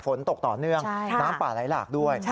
ฝนตกต่อเนื่องน้ำป่าไหลหลากด้วย